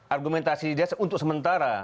argumentasi dia untuk sementara